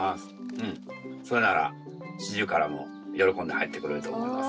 それならシジュウカラも喜んで入ってくれると思います。